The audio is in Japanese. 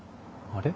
あれ？